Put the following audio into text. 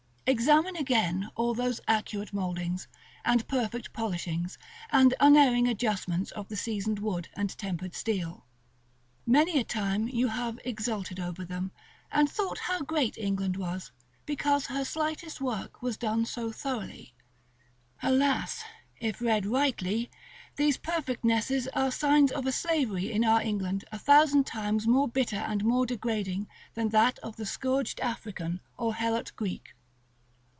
Examine again all those accurate mouldings, and perfect polishings, and unerring adjustments of the seasoned wood and tempered steel. Many a time you have exulted over them, and thought how great England was, because her slightest work was done so thoroughly. Alas! if read rightly, these perfectnesses are signs of a slavery in our England a thousand times more bitter and more degrading than that of the scourged African, or helot Greek.